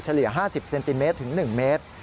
เลีย๕๐เซนติเมตรถึง๑เมตร